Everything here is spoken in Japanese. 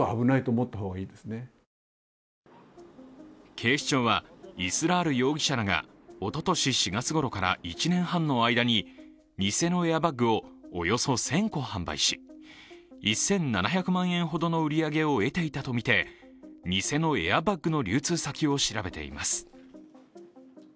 警視庁は、イスラール容疑者らがおととし４月ごろから１年半の間に偽のエアバッグをおよそ１０００個販売し１７００万円ほどの売り上げを得ていたとみて、偽のエアバッグの流通先を調べています。